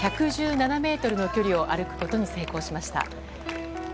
１１７ｍの距離を歩くことに成功しました。